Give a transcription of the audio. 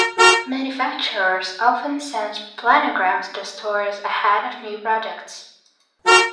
Manufacturers often send planograms to stores ahead of new products.